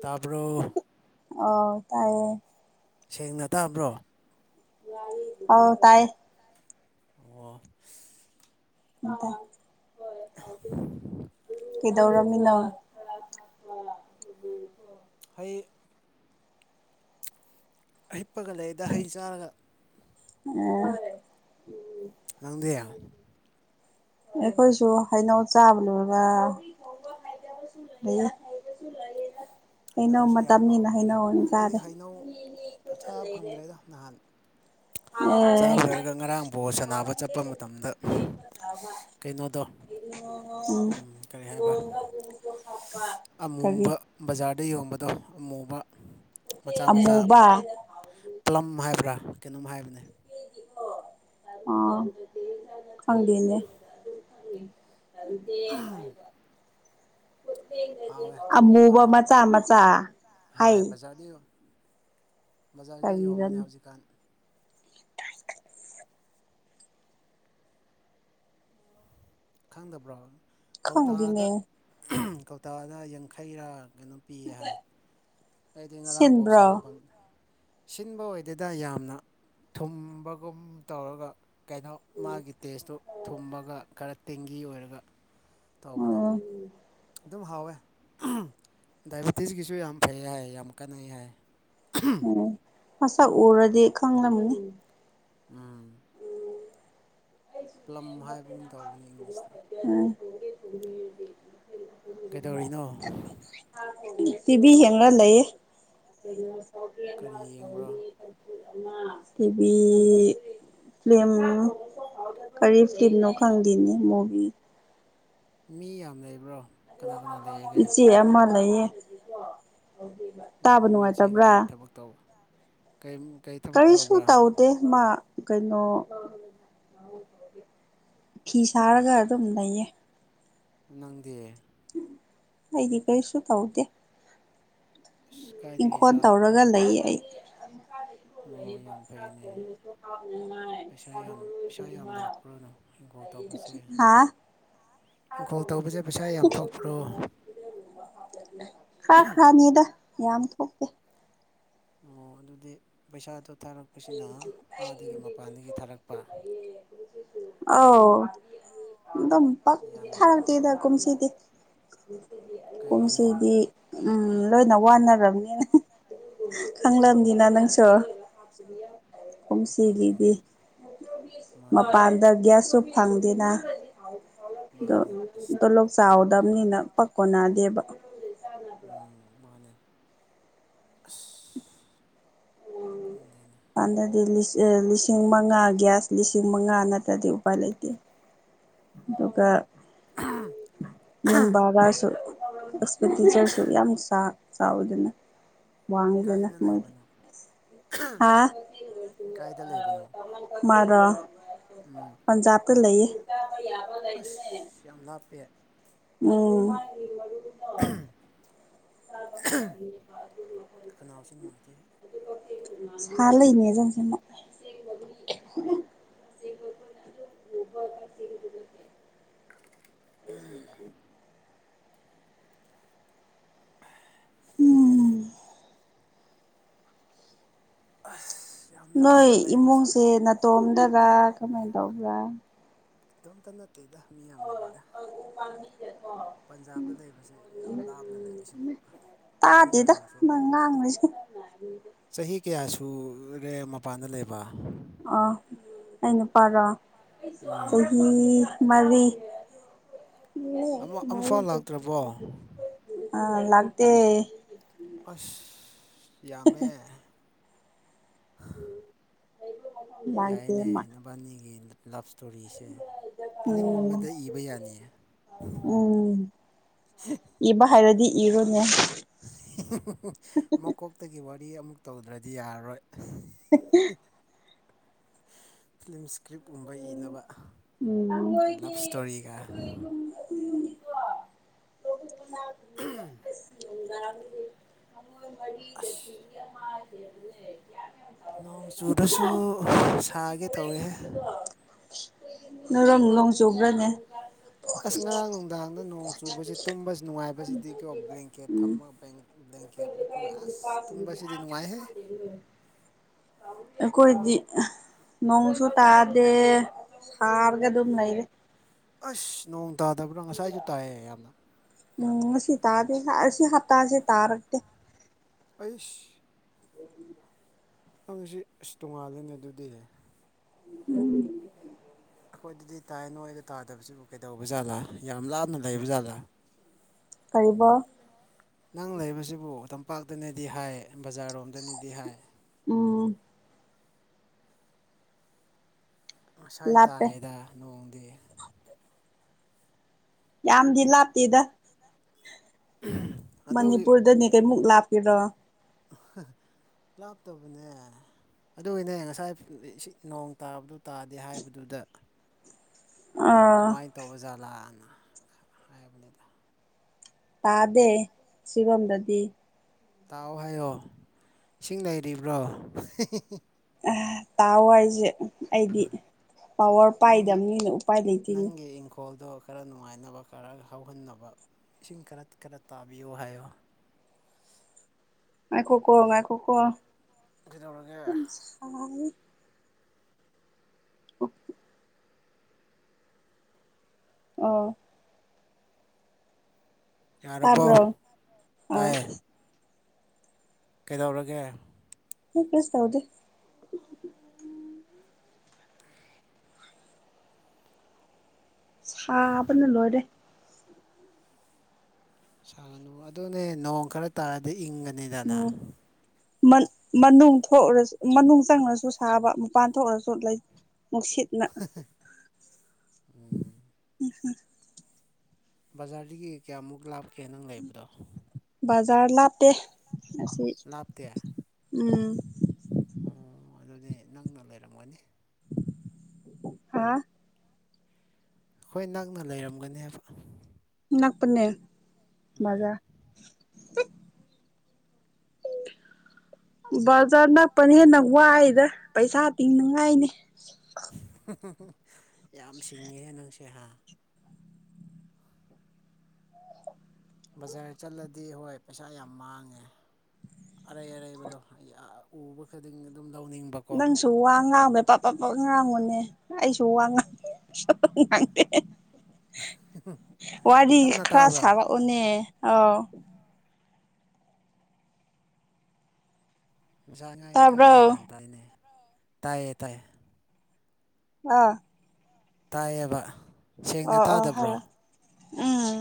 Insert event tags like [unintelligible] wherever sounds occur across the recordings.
ꯇꯕꯔꯣ ꯑꯣ ꯇꯥꯏꯌꯦ ꯁꯦꯡꯅ ꯇꯥꯕ꯭ꯔꯣ ꯑꯧ ꯇꯥꯏ ꯑꯣ ꯑ ꯀꯩꯗꯧꯔꯝꯃꯤꯅꯣ [unintelligible] ꯍꯤꯞꯄꯒ ꯂꯩꯗ ꯍꯩ ꯆꯥꯔꯒ ꯎꯝ ꯅꯪꯗꯤ ꯑꯩꯈꯣꯏꯁꯨ ꯍꯩꯅꯧ ꯆꯥꯕ ꯂꯣꯏꯔꯒ [unintelligible] ꯍꯩꯅꯧꯁꯤ ꯌꯥꯝ ꯃꯇꯝꯅꯤꯅ ꯍꯥꯎꯕꯅꯤꯅꯦ ꯍꯩꯅꯧ ꯑꯣꯏꯅ ꯑꯩꯗꯤ ꯆꯥꯔꯦ ꯍꯩꯅꯧ ꯆꯥꯕꯥ ꯐꯪꯗ꯭ꯔꯦꯗ ꯅꯍꯥꯟ ꯑꯦ ꯆꯥꯕ ꯂꯣꯏꯔꯒ ꯉꯔꯥꯡ ꯕꯣꯜ ꯁꯅꯕ ꯆꯠꯄ ꯃꯇꯝꯗ ꯀꯩꯅꯣꯗꯣ ꯎꯝ ꯀꯔꯤ ꯍꯥꯏꯕ ꯀꯔꯤ ꯑꯃꯨꯕ ꯕꯖꯥꯔꯗ ꯌꯣꯟꯕꯗꯣ ꯑꯃꯨꯕ ꯃꯆꯥ ꯃꯆꯥ ꯑꯃꯨꯕ ꯄꯂꯝ ꯍꯥꯏꯕ꯭ꯔꯥ ꯀꯩꯅꯣꯝ ꯍꯥꯏꯕꯅꯦ ꯑ ꯈꯪꯗꯦꯅꯦ [unintelligible] ꯍꯥꯎꯋꯦ ꯑꯃꯨꯕ ꯊꯨꯝꯃꯒꯀꯣ ꯃꯆꯥ ꯃꯆꯥ ꯍꯥꯏ [unintelligible] ꯕꯖꯥꯔꯗ ꯌꯣꯟꯕꯅꯦ ꯀꯔꯤꯔꯅꯤ ꯍꯧꯖꯤꯛꯀꯥꯟ ꯈꯪꯗꯕ꯭ꯔꯣ ꯈꯪꯗꯦꯅꯦ ꯀꯧꯇꯥꯗ ꯀꯧꯇꯥꯗ ꯌꯥꯡꯈꯩꯔꯥ ꯀꯩꯅꯣ ꯄꯤ ꯍꯥꯏ ꯑꯩꯗꯤ ꯉꯔꯥꯡ ꯕꯣꯜ ꯁꯤꯟꯕ꯭ꯔꯣ ꯁꯥꯅꯐꯝ ꯁꯤꯟꯕ ꯑꯣꯏꯗꯦꯗ ꯌꯥꯝꯅ ꯊꯨꯝꯕꯒꯨꯝ ꯇꯧꯔꯒ ꯀꯩꯅꯣ ꯃꯥꯒꯤ ꯇꯦꯁꯇꯨ ꯊꯨꯝꯃꯒ ꯈꯔ ꯇꯦꯡꯒꯤ ꯑꯣꯏꯔꯒ ꯇꯧꯕꯅꯦ ꯎꯝ ꯑꯗꯨꯝ ꯍꯥꯎꯋꯦ ꯗꯥꯏꯕꯤꯇꯤꯁꯀꯤꯁꯨ ꯌꯥꯝ ꯐꯩ ꯍꯥꯏ ꯌꯥꯝ ꯀꯥꯟꯅꯩ ꯍꯥꯏ ꯎꯝ ꯃꯁꯛ ꯎꯔꯗꯤ ꯈꯪꯒꯅꯤ ꯎꯝ ꯄ꯭ꯂꯝ ꯍꯥꯏꯕꯒꯨꯝ ꯇꯧꯕꯅꯤ ꯏꯪꯂꯤꯁꯇ [unintelligible] ꯀꯩꯗꯧꯔꯤꯅꯣ ꯇꯤꯚꯤ ꯍꯦꯡꯅ ꯂꯩꯌꯦ ꯀꯔꯤ ꯌꯦꯡꯕ꯭ꯔꯣ ꯇꯤꯚꯤ [unintelligible] ꯀꯔꯤ ꯇꯤꯝꯅꯣ ꯈꯪꯗꯦꯅꯦ ꯃꯣꯒꯤ ꯃꯤ ꯌꯥꯝ ꯂꯩꯕ꯭ꯔꯣ ꯀꯅꯥ ꯀꯅꯥ ꯂꯩꯔꯒꯦ ꯏꯆꯦ ꯑꯃ ꯂꯩꯌꯦ ꯇꯥꯕ ꯅꯨꯡꯉꯥꯏꯇꯕ꯭ꯔꯥ ꯇꯧ ꯀꯩ ꯊꯕꯛ ꯀꯔꯤꯁꯨ ꯇꯧꯕ꯭ꯔꯥ ꯇꯧꯗꯦ ꯃꯥ ꯀꯩꯅꯣ ꯐꯤ ꯁꯥꯔꯒ ꯑꯗꯨꯝ ꯂꯩꯌꯦ ꯅꯪꯗꯤ ꯑꯩꯗꯤ ꯀꯩꯁꯨ ꯇꯧꯗꯦ ꯑꯁ ꯀꯥꯏꯗꯒꯤ ꯏꯪꯈꯣꯜ ꯏꯆꯥ ꯇꯧꯔꯒ ꯂꯩꯌꯦ ꯑꯩ [inaudible] [unintelligible] ꯂꯩꯌꯦꯕ ꯌꯥꯝ ꯆꯥꯛ ꯐꯩꯅꯦ ꯊꯣꯡꯂꯁꯨ ꯍꯥꯞꯅꯉꯥꯏ ꯄꯩꯁꯥ ꯌꯥꯝ ꯄꯩꯁꯥ ꯌꯥꯝ ꯁꯥꯃꯔꯣꯏꯒꯨꯝꯕ ꯂꯥꯛꯄ꯭ꯔꯣꯅꯣ ꯏꯪꯈꯣꯜ ꯇꯧꯕꯁꯦ ꯍꯥꯥ ꯏꯪꯈꯣꯜ ꯇꯧꯕꯁꯦ ꯄꯩꯁꯥ ꯌꯥꯝ ꯊꯣꯛꯄ꯭ꯔꯣ ꯈꯔ ꯈꯔꯅꯤꯗ ꯌꯥꯝ ꯊꯣꯛ ꯑꯣ ꯑꯗꯨꯗꯤ ꯄꯩꯁꯥꯗꯨꯣ ꯊꯥꯔꯛꯄꯁꯤꯅ ꯑꯥꯗꯒꯤ ꯃꯄꯥꯟꯗꯒꯤ ꯊꯥꯔꯛꯄ ꯑꯧ ꯑꯗꯨꯝ ꯄꯛ ꯌꯥꯝ ꯊꯥꯔꯛꯇꯦꯗ ꯀꯨꯨꯝꯁꯤꯗꯤ ꯀꯩꯒꯤꯅꯣ ꯀꯨꯝꯁꯤꯗꯤ ꯎꯝ ꯂꯣꯏꯅ ꯋꯥꯅꯔꯕꯅꯤꯅ ꯎꯝ ꯈꯪꯂꯝꯅꯤꯅ ꯅꯪꯁꯨ ꯑꯩ ꯈꯪꯗꯦ ꯀꯨꯝꯁꯤꯒꯤꯗꯤ ꯃꯥꯅꯦ ꯃꯥꯅꯦ ꯃꯄꯥꯟꯗ ꯒ꯭ꯌꯥꯁꯁꯨ ꯐꯪꯗꯦꯅ ꯑꯗꯣ ꯃꯥꯅꯦ ꯑꯁ ꯇꯣꯂꯣꯞ ꯋꯥꯕꯅꯦ ꯆꯥꯎꯗꯝꯅꯤꯅ ꯄꯛ ꯀꯣꯟꯅꯗꯦꯕ ꯎꯝ ꯃꯥꯅꯦ ꯑꯁ ꯈꯪꯗꯦꯅꯦ ꯀꯥꯟꯗꯗꯤ ꯂꯤꯁꯤꯡ ꯃꯉꯥ ꯒ꯭ꯌꯥꯁ ꯂꯤꯁꯤꯡ ꯃꯉꯥ ꯅꯠꯇ꯭ꯔꯗꯤ ꯎꯄꯥꯏ ꯂꯩꯇꯦ ꯑꯗꯨꯒ ꯌꯨꯝ ꯕꯥꯔꯁꯨ [unintelligible] ꯇꯤꯆꯔꯁꯨ ꯌꯥꯝ ꯆꯥ ꯆꯥꯎꯋꯤꯗꯅ ꯋꯥꯡꯉꯤꯗꯅ ꯀꯥꯏꯗ ꯃꯣꯏ ꯂꯩꯕꯅꯣ ꯍꯥꯥ ꯀꯥꯏꯗ ꯂꯩꯕꯅꯣ ꯃꯥꯔꯣ ꯎꯝ ꯄꯟꯖꯥꯕꯇ ꯂꯩꯌꯦ [unintelligible] ꯌꯥꯕ ꯂꯩ ꯑꯁ ꯌꯥꯝ ꯂꯥꯞꯄꯦ ꯎꯝ ꯈꯅꯥꯎꯁꯤ ꯅꯨꯡꯉꯥꯏꯇꯦ ꯁꯥ ꯂꯩꯅꯦ ꯆꯪꯁꯤꯃ ꯎꯝ꯫ ꯎꯝ꯫ ꯑꯁ꯫ ꯌꯥꯝ ꯅꯣꯏ ꯂꯥꯞꯅ ꯂꯩꯕꯁꯨ ꯏꯃꯨꯡꯁꯦ ꯅꯥꯇꯣꯝꯗꯔ ꯀꯃꯥꯏꯅ ꯇꯧꯕ꯭ꯔꯥ? ꯏꯗꯣꯝꯇ ꯅꯠꯇꯦꯗ ꯃꯤꯌꯥꯝꯅ ꯂꯧꯗ꯫ [unintelligible] ꯄꯟꯖꯥꯕꯇ ꯂꯩꯕꯁꯦ ꯌꯥꯝ ꯂꯥꯞꯅ ꯂꯩ ꯁꯤꯕꯨ ꯆꯍꯤ ꯀꯌꯥꯝ ꯁꯨ? ꯐꯪꯁ [unintelligible] ꯆꯍꯤ ꯀꯌꯥ ꯁꯨꯔꯦ ꯃꯄꯥꯟꯗ ꯂꯩꯕ? ꯑꯥ ꯑꯩ ꯅꯨꯄꯥꯔꯣ ꯎꯝ ꯆꯍꯤ ꯃꯔꯤ꯫ ꯑꯃ ꯑꯃꯐꯥꯎ ꯂꯥꯛꯇ꯭ꯔꯕꯣ ꯑꯥ ꯂꯥꯛꯇꯦ꯫ ꯑꯁ ꯌꯥꯝꯃꯦ꯫ ꯂꯥꯛꯇꯦ ꯌꯥꯏꯅꯦ ꯃꯥ ꯅꯕꯥꯅꯤꯒꯤ ꯌꯥꯏꯑꯦ ꯅꯕꯅꯤꯒꯤ ꯂꯞ ꯏꯁꯇꯣꯔꯤꯁꯦ ꯎꯝ ꯐꯤꯂꯝꯒꯨꯝꯕꯗ ꯏꯕ ꯌꯥꯅꯤꯌꯦ꯫ ꯎꯝ ꯍ [unintelligible] ꯏꯕ ꯍꯥꯏꯔꯗꯤ ꯏꯔꯣꯅꯦ꯫ ꯃꯀꯣꯛꯇꯒꯤ ꯋꯥꯔꯤ ꯑꯃꯨꯛ ꯇꯧꯗ꯭ꯔꯗꯤ ꯌꯥꯔꯔꯣꯏ꯫ ꯐꯤꯂꯝ ꯏꯁꯀ꯭ꯔꯤꯞ ꯄꯨꯝꯕ ꯏꯅꯕ ꯎꯝ ꯂꯞ ꯏꯁꯇꯣꯔꯤꯒ [inaudible] ꯑꯁ [unintelligible] ꯅꯣꯡ ꯆꯨꯗꯁꯨ ꯁꯥꯒꯦ ꯇꯧꯋꯦ ꯍꯦ꯫ ꯅꯣꯏ ꯔꯣꯝ ꯅꯣꯡ ꯆꯨꯕ꯭ꯔꯅꯦ? ꯑꯁ ꯉꯔꯥꯡ ꯅꯨꯡꯗꯥꯡꯗꯤ ꯅꯣꯡ ꯆꯨꯕꯁꯤ ꯇꯨꯝꯕꯁꯤ ꯅꯨꯡꯉꯥꯏꯕꯁꯤꯗꯤ ꯀꯣ ꯕ꯭ꯂꯦꯡꯀꯦꯠ ꯎꯝ ꯊꯝꯃꯒ ꯕ꯭ꯂꯦꯡꯀꯦꯠ ꯎꯞꯄꯒ ꯑꯁ ꯇꯨꯝꯕꯁꯤꯗꯤ ꯅꯨꯡꯉꯥꯏꯍꯦ꯫ ꯑꯩꯈꯣꯏꯗꯤ ꯅꯣꯡꯁꯨ ꯇꯥꯗꯦ ꯁꯥꯔꯒ ꯑꯗꯨꯝ ꯂꯩꯔꯦ꯫ ꯑꯁ ꯅꯣꯡ ꯇꯥꯗꯕ꯭ꯔꯥ ꯉꯁꯥꯏꯁꯨ ꯇꯥꯏꯌꯦ ꯌꯥꯝꯅ꯫ ꯉꯁꯤ ꯇꯥꯗꯦ ꯑꯁꯤ ꯍꯞꯇꯥꯁꯦ ꯇꯥꯔꯛꯇꯦ꯫ ꯑꯩꯁ꯫ ꯎ [unintelligible] ꯅꯪꯁꯤ ꯑꯁ ꯇꯣꯡꯉꯥꯜꯂꯦꯅꯦ ꯑꯗꯨꯗꯤ꯫ ꯎꯝ꯫ ꯑꯩꯈꯣꯏꯗꯗꯤ ꯇꯥꯏ ꯅꯣꯏꯗ ꯇꯥꯗꯕꯁꯤꯕꯨ ꯀꯩꯗꯧꯕ ꯖꯥꯠꯂꯥ ꯌꯥꯝ ꯂꯥꯞꯅ ꯂꯩꯕ ꯖꯥꯠꯂꯥ? [inaudible] ꯀꯩꯕꯣ? ꯅꯪ ꯂꯩꯕꯁꯤꯕꯨ ꯇꯝꯄꯥꯛꯇꯅꯗꯤ ꯍꯥꯏ ꯕꯖꯥꯔꯣꯝꯗꯅꯗꯤ ꯍꯥꯏ꯫ ꯎꯝ꯫ ꯉꯁꯥꯏ ꯂꯥꯞꯄꯦ ꯇꯥꯏꯌꯦꯗ ꯅꯣꯡꯗꯤ꯫ ꯌꯥꯝꯗꯤ ꯂꯥꯞꯇꯦꯗ꯫ ꯍꯃ꯫ ꯃꯅꯤꯄꯨꯔꯗꯅꯦ ꯀꯩꯃꯨꯛ ꯂꯥꯞꯇꯦꯗꯣ꯫ ꯂꯥꯞꯇꯕꯅꯦ꯫ ꯑꯗꯨꯒꯤꯅꯦ ꯉꯁꯥꯏ ꯅꯣꯡ ꯇꯥꯕꯗꯨ ꯇꯥꯗꯦ ꯍꯥꯏꯕꯗꯨꯗ? ꯑꯥ ꯀꯃꯥꯏ ꯇꯧꯕ ꯖꯥꯠꯂꯅ ꯍꯥꯏꯕꯅꯤꯗ꯫ ꯇꯥꯗꯦ ꯁꯤꯕꯝꯗꯗꯤ꯫ ꯇꯥꯎ ꯍꯥꯏꯌꯣ ꯏꯁꯤꯡ ꯂꯩꯔꯤꯕ꯭ꯔꯣ? ꯇꯥꯎ ꯍꯥꯏꯖ‌ꯦ ꯑꯩꯗꯤ ꯄꯋꯥꯔ ꯄꯥꯏꯗꯝꯅꯤꯅ ꯎꯄꯥꯏ ꯂꯩꯇꯦꯅꯤ ꯌ‌ꯦꯡꯈ‌ꯣꯜꯗ‌ꯣ ꯈꯔ ꯅꯨꯡꯉꯥꯏꯅꯕ ꯈꯔ ꯍꯧꯍꯟꯅꯕ ꯏꯁꯤꯡ ꯈꯔ ꯈꯔ ꯇꯥꯕꯤꯌ‌ꯣ ꯍꯥꯏꯌꯣ꯫ ꯉꯥꯏꯈꯣꯀꯣ ꯉꯥꯏꯈꯣꯀꯣ ꯀꯩꯗꯧꯔꯒꯦ [unintelligible] ꯁꯥꯏꯌꯦ [unintelligible] ꯑꯣ ꯌꯥꯔꯕꯣ ꯇꯥꯕ꯭ꯔꯣ ꯑꯥ ꯇꯥꯏꯌꯦ ꯀꯩꯗꯧꯔꯒꯦ ꯍꯝ ꯀꯩꯁ ꯇꯧꯗꯤꯦ ꯁꯥꯕꯅ ꯂꯣꯏꯔꯦ ꯁꯥꯒꯅꯨ ꯑꯗꯨꯅꯦ ꯅꯣꯡ ꯈꯔ ꯇꯥꯔꯗꯤ ꯏꯪꯒꯅꯤꯗꯅ ꯎꯝ ꯃꯟ ꯃꯅꯨꯡ ꯊꯣꯛꯎꯔꯁꯨ ꯃꯅꯨꯡ ꯆꯪꯎꯔꯁꯨ ꯁꯥꯕ ꯃꯄꯥꯟ ꯊꯣꯛꯎꯔꯁꯨ ꯂꯩ ꯅꯨꯡꯁꯤꯠꯅ [unintelligible] ꯎꯝ ꯎꯝ ꯍꯣꯏ ꯕꯖꯥꯔꯗꯒꯤ ꯀꯌꯥꯝꯃꯨꯛ ꯂꯥꯞꯀꯦ ꯅꯪ ꯂꯩꯕꯗꯣ ꯕꯖꯥꯔ ꯂꯥꯞꯇꯦ ꯑꯁꯤ ꯅꯥꯞꯇꯦ ꯎꯝ ꯑꯣ ꯑꯗꯨꯗꯤ ꯅꯪꯅ ꯂꯩꯔꯝꯒꯅꯤ ꯍꯥ ꯈꯣꯏ ꯅꯛꯅ ꯂꯩꯔꯝꯒꯅꯤ ꯍꯥꯏꯕ ꯅꯛꯄꯅꯦ ꯕꯖꯥꯔ ꯎꯝ ꯕꯖꯥꯔ ꯅꯛꯄꯅ ꯍꯦꯟꯅ ꯋꯥꯏꯗ ꯄꯩꯁꯥ ꯇꯤꯡꯅꯉꯥꯏꯅꯦ [unintelligible] ꯌꯥꯝ ꯁꯤꯡꯉꯦꯍꯦ ꯅꯪꯁꯦ ꯍꯥ ꯕꯖꯥꯔ ꯆꯠꯂꯗꯤ ꯍꯣꯏ ꯄꯩꯁꯥ ꯌꯥꯝ ꯃꯥꯡꯉꯦ꯫ ꯑꯔꯩ ꯑꯔꯩꯕꯗꯣ ꯌꯥ ꯎꯕ ꯈꯨꯗꯤꯡ ꯑꯗꯨꯝ ꯂꯧꯅꯤꯡꯕ ꯅꯪꯁꯨ ꯋꯥꯉꯥꯡꯕ ꯄꯞ ꯄꯞ ꯄꯞ ꯉꯥꯡꯅꯨꯅꯦ ꯑꯩꯁꯨ ꯋꯥ ꯉꯥꯡ [unintelligible] ꯋꯥꯔꯤ ꯇꯞꯅ ꯈꯔ ꯇꯥꯕ꯭ꯔꯥ ꯁꯥꯔꯛꯎꯅꯦ ꯑꯧ [unintelligible] ꯒꯌ꯭ꯥꯟ ꯇꯥꯕ꯭ꯔꯣ ꯇꯥꯏꯅꯦ ꯇꯥꯕ꯭ꯔꯣ ꯇꯥꯏꯌꯦ ꯇꯥꯏꯌꯦ ꯑꯥ ꯇꯥꯏꯌꯦꯕ ꯁꯦꯡꯅ ꯑꯣ ꯑꯣ ꯇꯥꯗꯕ꯭ꯔꯣ [unintelligible] ꯎꯝ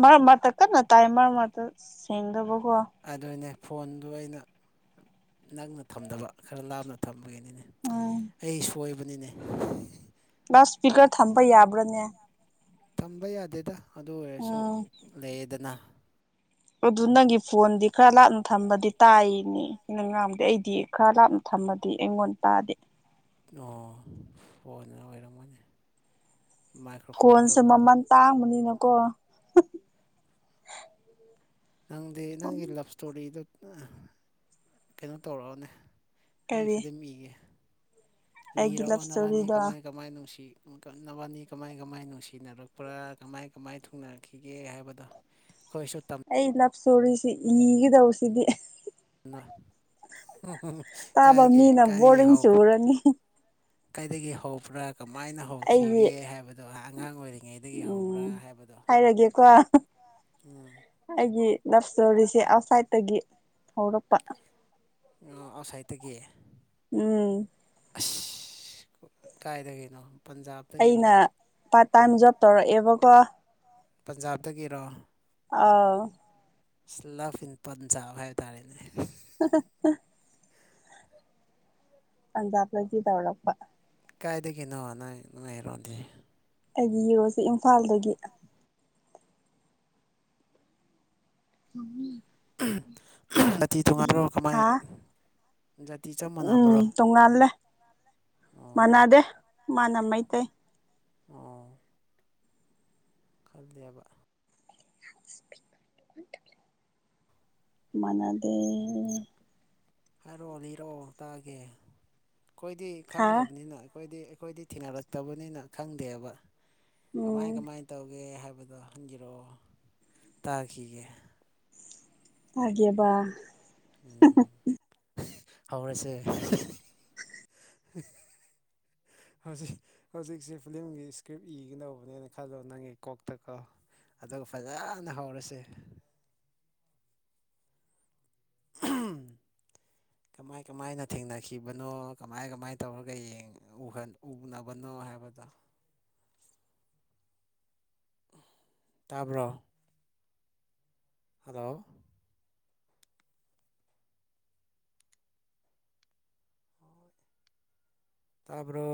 ꯃꯔꯛ ꯃꯔꯛꯇ ꯀꯟꯅ ꯇꯥꯏ ꯃꯔꯛ ꯃꯔꯛꯇ ꯁꯦꯡꯗꯕꯀꯣ ꯑꯗꯨꯅꯦ ꯐꯣꯟꯗꯨ ꯑꯩꯅ ꯅꯛꯅ ꯊꯝꯗꯕ ꯈꯔ ꯂꯥꯞꯅ ꯊꯝꯕꯒꯤꯅꯤꯅꯦ [unintelligible] ꯑꯩ ꯁꯣꯏꯕꯅꯤꯅꯦ ꯂꯥꯁ ꯏꯁꯄꯤꯀꯔ ꯊꯝꯕ ꯌꯥꯕ꯭ꯔꯥꯅꯦ ꯊꯝꯕ ꯌꯥꯗꯦꯗ ꯑꯗꯨ ꯑꯣꯏꯔꯁꯨ ꯎꯝ ꯂꯩꯌꯦꯗꯅ꯫ ꯑꯗꯨ ꯅꯪꯒꯤ ꯐꯣꯟꯗꯤ ꯈꯔ ꯂꯥꯞꯅ ꯊꯝꯕꯗꯤ ꯇꯥꯏꯋꯦꯃꯤ ꯑꯩꯅ ꯉꯥꯡꯕꯗꯤ ꯑꯩꯗꯤ ꯈꯔ ꯂꯥꯞꯅ ꯊꯝꯃꯗꯤ ꯑꯩꯉꯣꯟꯗ ꯇꯥꯗꯦ ꯑꯣ ꯐꯣꯟꯅ ꯑꯣꯏꯔꯝꯒꯅꯤ ꯃꯥꯏꯀ꯭ꯔꯣꯐꯣꯟꯗꯨ ꯐꯣꯟꯁꯦ ꯃꯃꯜ ꯇꯥꯡꯕꯅꯤꯅꯀꯣ ꯅꯪꯗꯤ ꯅꯪꯒꯤ ꯂꯞ ꯏꯁꯇꯣꯔꯤꯗꯣ ꯅꯥ ꯀꯩꯅꯣ ꯇꯧꯔꯛꯑꯣꯅꯦ ꯑꯩ ꯀꯔꯤ ꯐꯤꯗꯝ ꯏꯒꯦ ꯑꯩꯒꯤ ꯂꯞ ꯂꯤꯔꯛꯑꯣ ꯅꯕꯅꯤ ꯏꯁꯇꯣꯔꯤꯗꯣ ꯀꯃꯥꯏ ꯀꯃꯥꯏ ꯅꯨꯡꯁꯤ [unintelligible] ꯅꯕꯅꯤ ꯀꯃꯥꯏ ꯀꯃꯥꯏ ꯅꯨꯡꯁꯤꯅꯔꯛꯄ꯭ꯔꯥ ꯀꯃꯥꯏ ꯀꯃꯥꯏ ꯊꯨꯡꯅꯔꯛꯈꯤꯒꯦ ꯍꯥꯏꯕꯗꯣ ꯈꯣꯏꯁꯨ ꯇꯝ ꯑꯩ ꯂꯞ ꯏꯁꯇꯣꯔꯤꯁꯤ ꯏꯒꯗꯧꯔꯤꯁꯤꯗꯤ ꯅꯥ [unintelligible] ꯇꯥꯕ ꯀꯥꯏꯒꯦ ꯃꯤꯅ ꯀꯥꯏꯔꯒꯤ ꯕꯣꯔꯤꯡ ꯍꯧ ꯆꯨꯔꯅꯤ ꯀꯩꯗꯒꯤ ꯍꯧꯕ꯭ꯔꯥ ꯀꯃꯥꯏꯅ ꯑꯩꯒꯤ ꯍꯧꯈꯤꯒꯦ ꯍꯥꯏꯕꯗꯣ ꯍꯥ ꯑꯉꯥꯡ ꯑꯣꯏꯔꯤꯉꯩ ꯗꯒꯤ ꯍꯧꯕ꯭ꯔꯥ ꯎꯝ ꯍꯥꯏꯕꯗꯣ ꯍꯥꯏꯔꯒꯦꯀꯣ [unintelligible] ꯎꯝ ꯑꯩꯒꯤ ꯂꯞ ꯏꯁꯇꯣꯔꯤꯁꯦ ꯑꯥꯎꯠꯁꯥꯏꯗꯠꯇꯒꯤ ꯍꯧꯔꯛꯄ꯫ ꯑꯣ ꯑꯥꯎꯠꯁꯥꯏꯠꯇꯒꯤ ꯎꯝ ꯑꯁ ꯀꯥꯏꯗꯒꯤꯅꯣ ꯄꯟꯖꯥꯕ ꯑꯩꯅ ꯄꯥꯔꯠ ꯇꯥꯏꯝ ꯖꯣꯕ ꯇꯧꯔꯛ ꯑꯦꯕꯀꯣ ꯄꯟꯖꯥꯕꯇꯒꯤꯔꯣ ꯑꯥꯎ ꯁꯂꯐ ꯏꯟ ꯄꯟꯖꯥꯕ ꯍꯥꯏꯕ ꯇꯥꯔꯦꯅꯦ [unintelligible] ꯄꯟꯖꯥꯕꯇꯒꯤ ꯇꯧꯔꯛꯄ ꯀꯥꯏꯗꯒꯤꯅꯣ ꯅꯣꯏ ꯅꯣꯏ ꯍꯤꯔꯣ ꯗꯤ ꯑꯩꯗꯤ ꯌꯣꯁꯤ ꯏꯝꯐꯥꯜꯗꯒꯤ [unintelligible] ꯖꯥꯠꯇꯤ ꯇꫭꯉꯥꯟꯕꯔꫭ ꯀꯃꯥꯏ ꯍꯥ ꯖꯥꯇꯤ ꯆꯞ ꯃꯥꯟꯅꯕ꯭ꯔꯣ ꯎꯝ ꯇꯣꯡꯉꯥꯜꯂꯦ ꯑꯣ ꯃꯥꯟꯅꯥꯗꯦ ꯃꯥꯅ ꯃꯩꯇꯩ ꯑꯣ ꯈꯜꯂꯦꯕ ꯃꯥꯟꯅꯗꯦ ꯍꯥꯏꯔꯛꯑꯣ ꯂꯤꯔꯛꯑꯣ ꯇꯥꯒꯦ ꯈꯣꯏꯗꯤ ꯍꯥ ꯈꯪꯗꯕꯅꯤꯅ ꯑꯩꯈꯣꯏꯗꯤ ꯑꯩꯈꯣꯏꯗꯤ ꯊꯦꯡꯅꯔꯛꯇꯕꯅꯤꯅ ꯈꯪꯗꯦꯕ ꯀꯃꯥꯏ ꯎꯝ ꯀꯃꯥꯏ ꯇꯧꯒꯦ ꯍꯥꯏꯕꯗꯣ ꯍꯪꯒꯤꯔꯛꯑꯣ ꯇꯥꯈꯤꯒꯦ ꯇꯥꯒꯦꯕ ꯎꯝ ꯍꯧꯔꯁꯦ ꯍꯧꯖꯤꯛ ꯍꯧꯖꯤꯛꯁꯤ ꯐꯤꯂꯝꯒꯤ ꯏꯁꯀ꯭ꯔꯤꯞ ꯏꯒꯗꯧꯕꯅꯦꯅ ꯈꯜꯂꯣ ꯅꯪꯒꯤ ꯀꯣꯛꯇꯀꯣ ꯑꯗꯨꯒ ꯐꯖꯅ ꯍꯧꯔꯁꯦ ꯀꯃꯥꯏ ꯀꯃꯥꯏꯅ ꯊꯦꯡꯅꯈꯤꯕꯅꯣ ꯀꯃꯥꯏ ꯀꯃꯥꯏꯅ ꯇꯧꯔꯒ ꯌꯦꯡ ꯎꯍꯟ ꯎꯅꯕꯅꯣ ꯍꯥꯏꯕꯗꯣ ꯇꯥꯕ꯭ꯔꯣ ꯍꯜꯂꯣ ꯇꯥꯕ꯭ꯔꯣ